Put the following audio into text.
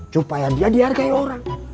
supaya dia dihargai orang